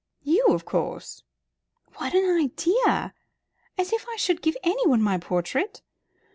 "You, of course." "What an idea! As if I should give anyone my portrait.